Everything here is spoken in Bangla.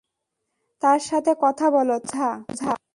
তার সাথে কথা বল, তাকে বুঝা!